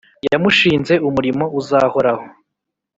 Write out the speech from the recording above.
Yamushinze umurimo uzahoraho,